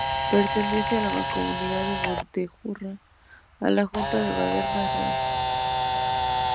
Pertenece a la Mancomunidad de Montejurra y a la Junta de Bardenas Reales.